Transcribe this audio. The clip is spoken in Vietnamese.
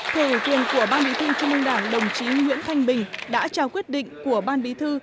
thời huyền của ban bí thư trung ương đảng đồng chí nguyễn thanh bình đã trao quyết định của ban bí thư